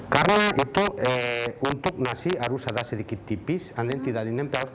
karena itu untuk nasi harus ada sedikit tipis and then tidak di nempel